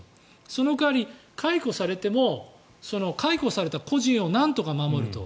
その代わり、解雇されても解雇された個人をなんとか守ると。